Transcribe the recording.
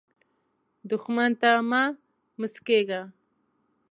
دښمن ته مه مسکېږه